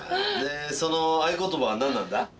でその合言葉は何なんだ？